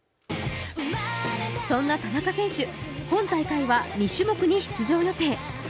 そんな田中選手、今大会は２種目に出場予定。